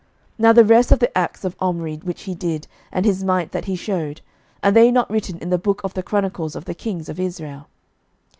11:016:027 Now the rest of the acts of Omri which he did, and his might that he shewed, are they not written in the book of the chronicles of the kings of Israel?